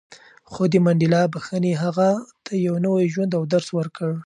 خو د منډېلا بښنې هغه ته یو نوی ژوند او درس ورکړ.